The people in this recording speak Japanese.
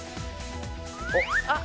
あっ！